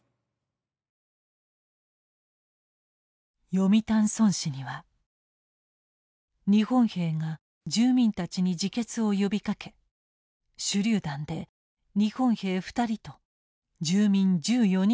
読谷村史には日本兵が住民たちに自決を呼びかけ手榴弾で日本兵２人と住民１４人が犠牲になったと記録されている。